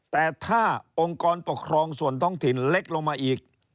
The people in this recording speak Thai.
แต่ถ้าองค์กรปกครองส่วนท้องถิ่นเล็กลงมาอีก